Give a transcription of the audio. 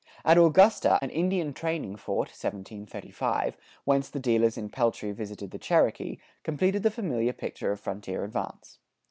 At Augusta, an Indian trading fort (1735), whence the dealers in peltry visited the Cherokee, completed the familiar picture of frontier advance.